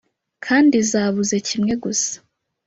- kandi zabuze kimwe gusa